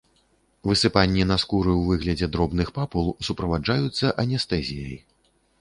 Высыпанні на скуры ў выглядзе дробных папул суправаджаюцца анестэзіяй.